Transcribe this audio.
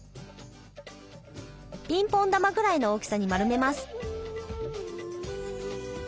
ピンポン玉ぐらいの大きさに丸めます。